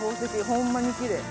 ホンマにきれい。